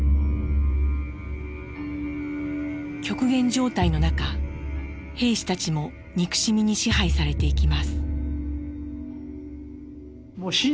極限状態の中兵士たちも憎しみに支配されていきます。